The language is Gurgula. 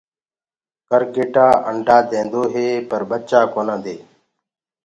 ڪَرگيٽآ انڊآ ڪونآ دي پر ڀچآ ديدو هي۔